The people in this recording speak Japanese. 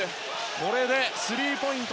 これでスリーポイント